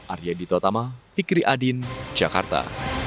arya ditotama fikri adin jakarta